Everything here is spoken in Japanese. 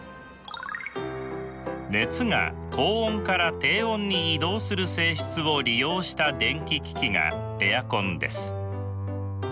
熱が高温から低温に移動する性質を利用した電気機器がエアコンです。